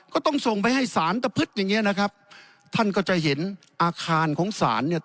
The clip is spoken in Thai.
ก็ต้องส่งไปให้สารตะพฤติอย่างเงี้นะครับท่านก็จะเห็นอาคารของศาลเนี่ย